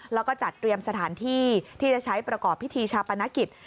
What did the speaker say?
แล้วก็จัดเตรียมสถานที่ที่จะใช้ประกอบพิธีชาปนกิจ